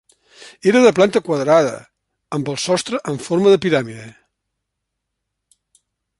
Era de planta quadrada, amb el sostre en forma de piràmide.